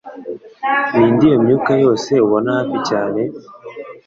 ninde iyo myuka yose ubona hafi cyane